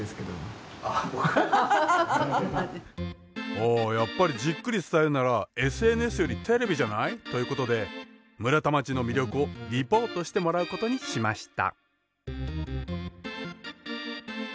あやっぱりじっくり伝えるならＳＮＳよりテレビじゃない？ということで村田町の魅力をリポートしてもらうことにしました。